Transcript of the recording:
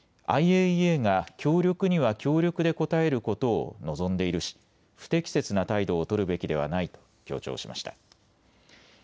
ＩＡＥＡが協力には協力で応えることを望んでいるし不適切な態度を取るべきではないと強調しました。